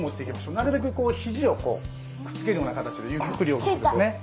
なるべくひじをくっつけるような形でゆっくり大きくですね。